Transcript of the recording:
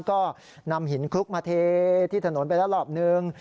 ก็นำหินคลุกมาเทที่ถนนไประหลาบหนึ่ง